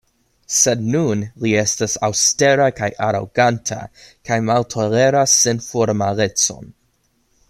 Sed nun li estas aŭstera kaj aroganta kaj maltoleras senformalecon.